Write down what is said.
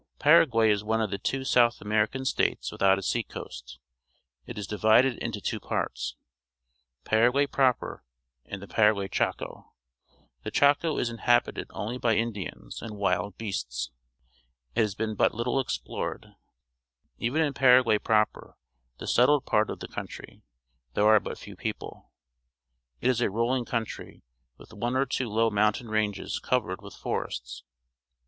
— Para guay is one of the two South American states without a sea coast. It is divided into two parts— Paraguay proper and the Paraguay Chaco. The Chaco is inhabited only by Indians and wild beasts. It has been but little explored. Even in Paraguay proper— the settled part of the country— there are but few people. It is a rolling comitry, with one or two low mountain ranges covered with forests.